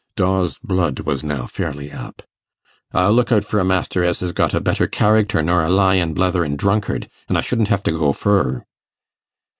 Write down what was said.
Dawe's blood was now fairly up. 'I'll look out for a master as has got a better charicter nor a lyin', bletherin' drunkard, an' I shouldn't hev to go fur.